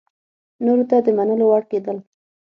نورو ته د منلو وړ کېدل